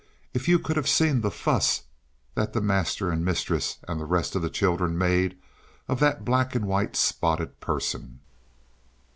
if you could have seen the fuss that the master and mistress and the rest of the children made of that black and white spotted person!